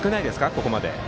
ここまで。